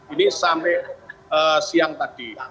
ini sampai siang tadi